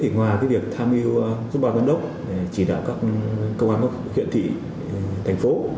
ngoài việc tham hiu giúp bà tân đốc chỉ đạo các công an huyện thị thành phố